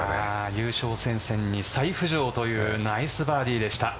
優勝戦線に再浮上というナイスバーディーでした。